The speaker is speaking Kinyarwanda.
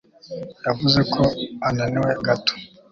Yavuze ko ananiwe gato